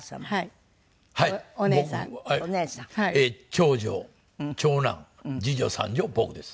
長女長男次女三女僕です。